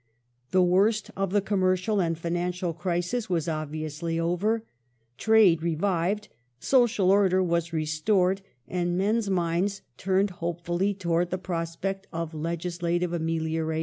The worst of the com mercial and financial crisis was obviously over ; trade revived ; social order was restored, and men's minds turned hopefully towards the prospect of legislative amelioration.